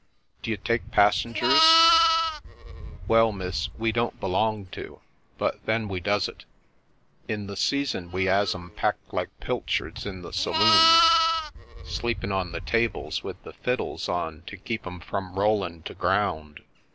" D'you take passengers ?" "Well, miss, we don't belong to, but then we does it. In the season we has 'em packed like pilchards in the saloon ; sleepin' on the tables with the fiddles on to keep 'em from rollin' to ground